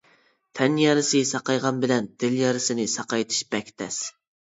تەن يارىسى ساقايغان بىلەن دىل يارىسىنى ساقايتىش بەك تەس.